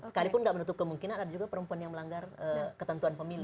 sekalipun tidak menutup kemungkinan ada juga perempuan yang melanggar ketentuan pemilu